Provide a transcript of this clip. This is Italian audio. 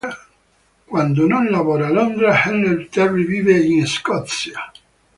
Quando non lavora a Londra, Helen Terry vive in Scozia.